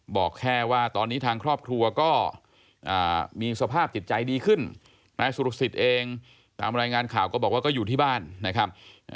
บอกแค่ว่าตอนนี้ทางครอบครัวก็มีสภาพจิตใจดีขึ้นนายสุรสิทธิ์เองตามรายงานข่าวก็บอกว่าก็อยู่ที่บ้านนะครับ